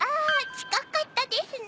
近かったですね。